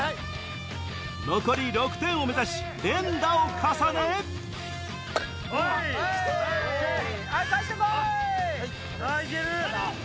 残り６点を目指し連打を重ねかえってこい！